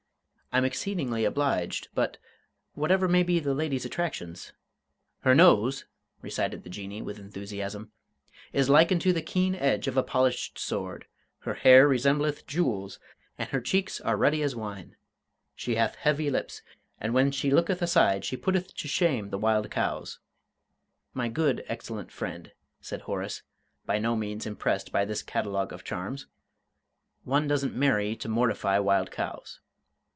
"I'm exceedingly obliged, but, whatever may be the lady's attractions " "Her nose," recited the Jinnee, with enthusiasm, "is like unto the keen edge of a polished sword; her hair resembleth jewels, and her cheeks are ruddy as wine. She hath heavy lips, and when she looketh aside she putteth to shame the wild cows...." "My good, excellent friend," said Horace, by no means impressed by this catalogue of charms, "one doesn't marry to mortify wild cows."